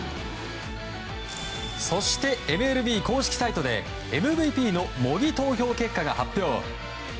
そして、ＭＬＢ公式サイトでＭＶＰの模擬投票結果が発表。